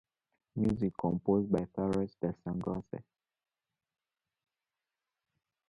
Music composed by Sarath Dassanayake.